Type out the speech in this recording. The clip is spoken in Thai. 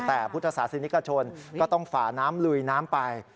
แต่พุทธศาสนิกชนก็ต้องฝาน้ำลุยน้ำไป